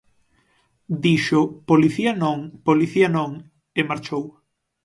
Dixo: policía non, policía non, e marchou.